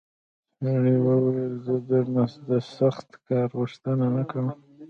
سړي وویل زه درنه د سخت کار غوښتنه نه کوم.